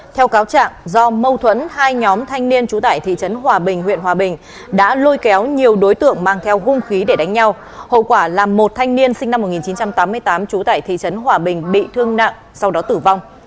theo cáo trạng do mâu thuẫn hai nhóm thanh niên trú tại thị trấn hòa bình huyện hòa bình đã lôi kéo nhiều đối tượng mang theo hung khí để đánh nhau hậu quả làm một thanh niên sinh năm một nghìn chín trăm tám mươi tám trú tại thị trấn hòa bình bị thương nặng sau đó tử vong